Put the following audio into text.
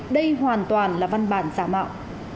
đây hoàn toàn là văn bản giả mạo